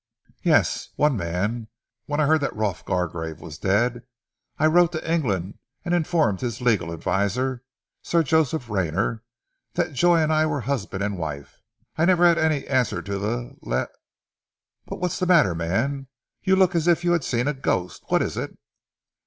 "Yes, one man! When I heard that Rolf Gargrave was dead, I wrote to England and informed his legal adviser, Sir Joseph Rayner, that Joy and I were husband and wife. I never had any answer to the let But what's the matter, man? You look as if you had seen a ghost! What is it?"